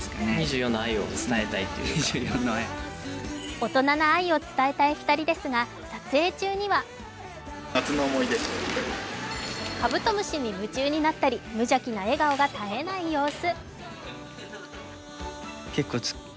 大人な愛を伝えたい２人ですが、撮影中にはかぶとむしに夢中になったり無邪気な笑顔が絶えない様子。